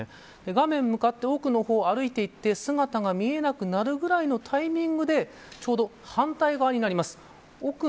画面向かって奥の方を歩いていって姿が見えなくなるぐらいのタイミングでちょうど反対側になります。